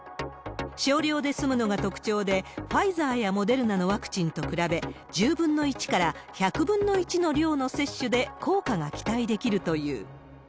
少量で済むのが特徴で、ファイザーやモデルナのワクチンと比べ、１０分の１から１００分の１の量の接種で効果が期待できるという。